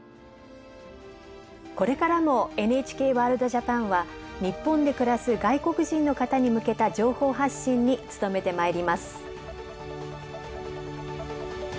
これからも「ＮＨＫワールドＪＡＰＡＮ」は日本で暮らす外国人の方に向けた情報発信に努めてまいります。